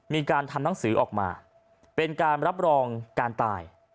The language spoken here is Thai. มีการทำหนังสือออกมาเป็นการรับรองการตาย